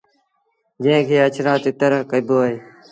جݩهݩ کي اَڇڙآ تتر ڪهيبو اهي۔